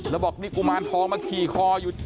แล้วบอกนี่กุมารทองมาขี่คออยู่